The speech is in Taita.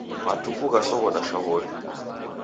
Matuku ghasoghoda shwaw'ori.